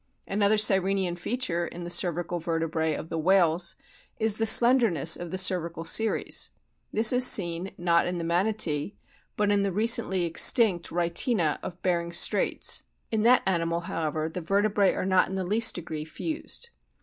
Another Sirenian feature in the cervical vertebrae of the whales is the slender ness of the cervical series. This is seen not in the Manatee, but in the recently extinct Rhytina of Behring's Straits ; in that animal, however, the vertebrae are not in the least decree fused.